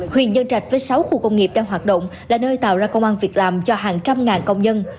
huyện nhân trạch với sáu khu công nghiệp đang hoạt động là nơi tạo ra công an việc làm cho hàng trăm ngàn công nhân